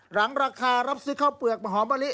หลังราคารับซื้อข้าวเปลือกมะหอมมะลิ